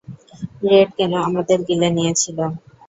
Red কেন আমাদের গিলে নিয়েছিল?